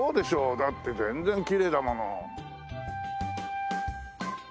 だって全然きれいだもの。